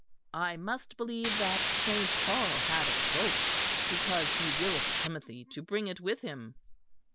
I must believe that Saint Paul had a cloak, because he willeth Timothy to bring it with him."